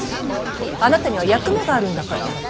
あなたには役目があるんだから。